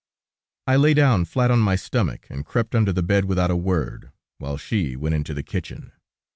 I lay down flat on my stomach, and crept under the bed without a word, while she went into the kitchen.